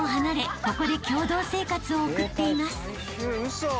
ここで共同生活を送っています］